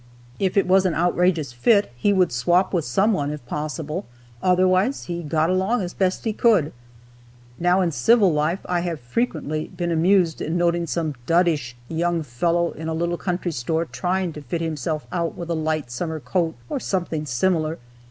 If it was an outrageous fit, he would swap with some one if possible, otherwise he got along as best he could. Now, in civil life, I have frequently been amused in noting some dudish young fellow in a little country store trying to fit himself out with a light summer coat, or something similar.